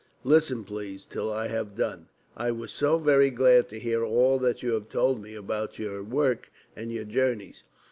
Listen, please, till I have done. I was so very glad to hear all that you have told me about your work and your journeys.